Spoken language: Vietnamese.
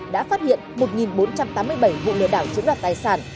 đã phát hiện một bốn trăm tám mươi bảy vụ lừa đảo chiếm đoạt tài sản